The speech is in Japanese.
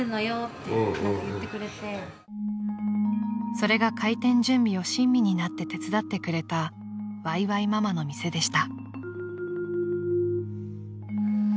［それが開店準備を親身になって手伝ってくれたわいわいママの店でした］